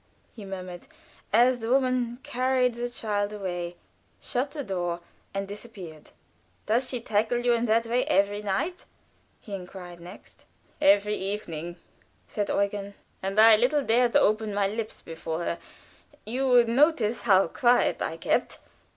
he murmured, as the woman carried the child away, shut the door and disappeared. "Does she tackle you in that way every night?" he inquired next. "Every evening," said Eugen. "And I little dare open my lips before her. You would notice how quiet I kept.